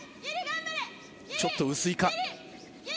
ちょっと薄いか。